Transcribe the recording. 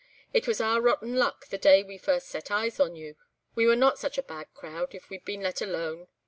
It was our rotten luck the day we first set eyes on you. We were not such a bad crowd if we'd been let alone.